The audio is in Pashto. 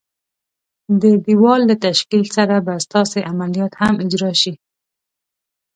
د دېوال له تشکیل سره به ستاسي عملیات هم اجرا شي.